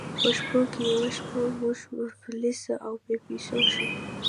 په شپو کې یوه شپه موږ مفلس او بې پیسو شوو.